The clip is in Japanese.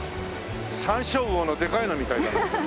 サンショウウオのでかいのみたいだな。